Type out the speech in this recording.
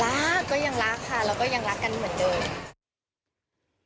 เราก็ยังรักเราก็ยังรักกันเหมือนเดิม